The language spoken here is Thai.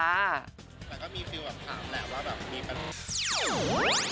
แต่ก็มีฟิลแบบถามแหละว่าแบบมีปัญหา